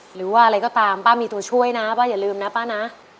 หรือว่าอะไรก็ตามป้ามีตัวช่วยนะป้าอย่าลืมนะป้านะ